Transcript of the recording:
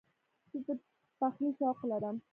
زه د پخلي شوق لرم.